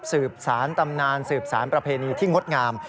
สืบสารตำนานสืบสารประเพณีที่งดงาม